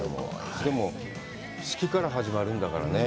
でも、好きから始まるんだからね。